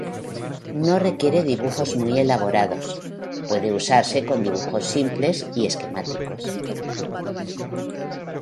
No requiere dibujos muy elaborados, puede usarse con dibujos simples y esquemáticos.